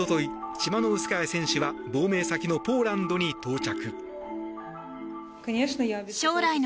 チマノウスカヤ選手は亡命先のポーランドに到着。